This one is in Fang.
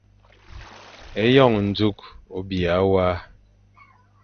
Eyon njuk o biya wa.